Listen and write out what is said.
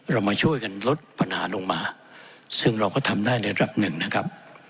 เรามาช่วยกันลดปัญหาลงมาซึ่งเราก็ทำได้ในระดับหนึ่งนะครับ